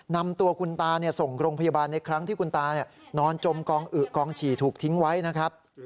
นำตัวคุณตาส่งโรงพยาบาลในครั้งที่คุณตานอนจมกองอึกองฉี่ถูกทิ้งไว้นะครับ